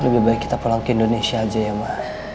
lebih baik kita pulang ke indonesia aja ya mbak